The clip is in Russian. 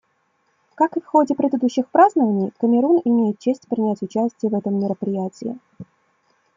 Как и в ходе предыдущих празднований, Камерун имеет честь принять участие в этом мероприятии.